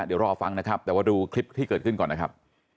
เดี๋ยวรอฟังนะครับแต่ว่าดูคลิปที่เกิดขึ้นก่อนนะครับ